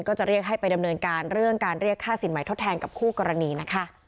ก็จะเรียกให้ไปดำเนินการเรื่องการเรียกค่าสินใหม่ทดแทนกับคู่กรณีนะคะ